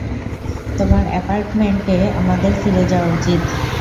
তোমার অ্যাপার্টমেন্টে আমাদের ফিরে যাওয়া উচিৎ!